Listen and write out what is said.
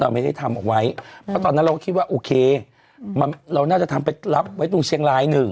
เราไม่ได้ทำเอาไว้เราตอนนั้นเราก็คิดว่าโอเคเราน่าจะรับไว้ตรงเชียงราย๑